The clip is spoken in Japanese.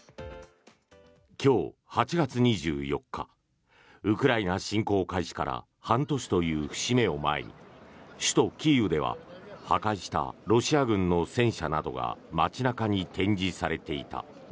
今日、８月２４日ウクライナ侵攻開始から半年という節目を前に首都キーウでは破壊したロシア軍の戦車などが街中に展示されていた。